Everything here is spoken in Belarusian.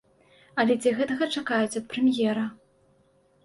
Але ці гэтага чакаюць ад прэм'ера?